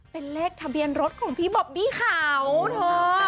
เป็นเลขทะเบียนรถของพี่บอบบี้เขาเธอ